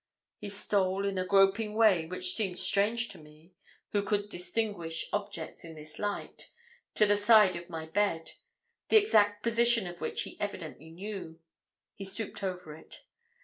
He stole, in a groping way, which seemed strange to me, who could distinguish objects in this light, to the side of my bed, the exact position of which he evidently knew; he stooped over it.